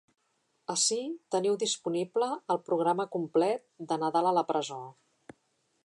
Ací teniu disponible el programa complet de ‘Nadal a la presó’.